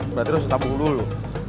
berarti harus tabung dulu